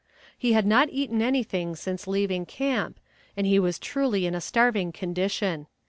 ] He had not eaten anything since leaving camp, and he was truly in a starving condition.